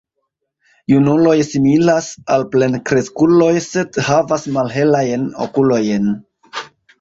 Junuloj similas al plenkreskuloj, sed havas malhelajn okulojn.